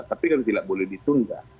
tapi kan tidak boleh ditunda